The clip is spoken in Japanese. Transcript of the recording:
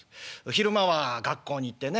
昼間は学校に行ってね